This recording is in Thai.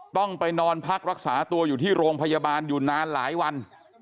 ต้องไปนอนพักรักษาตัวอยู่ที่โรงพยาบาลอยู่นานหลายวัน